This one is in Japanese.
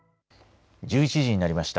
１１時になりました。